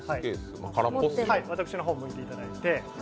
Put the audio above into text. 私の方を向いていただいて。